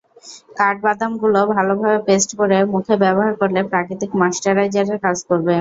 কাঠবাদামগুলো ভালোভাবে পেস্ট করে মুখে ব্যবহার করলে প্রাকৃতিক ময়েশ্চারাইজারের কাজ করবে।